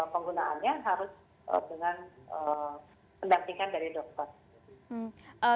penggunaannya harus dengan pendampingan dari dokter